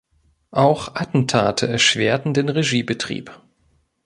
Auch Attentate erschwerten den Regiebetrieb.